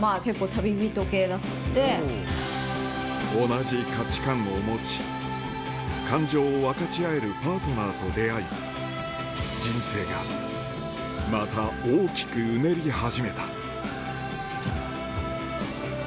同じ価値観を持ち感情を分かち合えるパートナーと出会い人生がまた大きくうねり始めた何かまた違うブルーですよね。